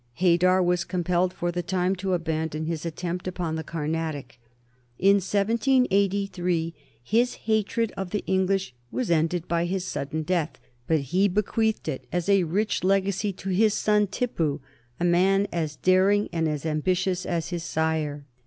Haidar was compelled for the time to abandon his attempt upon the Carnatic. In 1783 his hatred of the English was ended by his sudden death. But he bequeathed it as a rich legacy to his son Tippu, a man as daring and as ambitious as his sire.